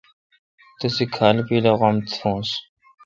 تسے کھال پیل اے°غم تھونس۔